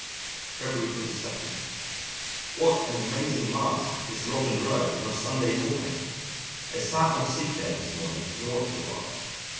February 22. What an amazing Masque is Rotten Row on a Sunday morning! I sat on a seat there this morning and watched awhile.